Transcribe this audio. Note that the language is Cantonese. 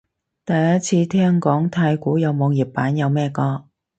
第一次聽講太鼓有網頁版，有咩歌？